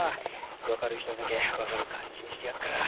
分かる人にだけ分かる感じにしてやっから！